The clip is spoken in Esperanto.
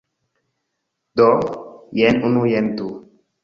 Do, jen unu jen du